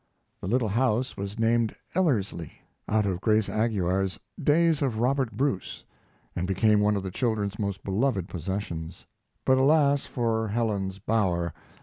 The little house was named Ellerslie, out of Grace Aguilar's Days of Robert Bruce, and became one of the children's most beloved possessions. But alas for Helen's Bower!